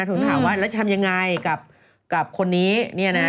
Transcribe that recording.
ถึงถามว่าแล้วจะทำยังไงกับคนนี้เนี่ยนะ